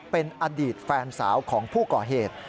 เป็นอดีตแฟนสาวของผู้ก่อเหตุ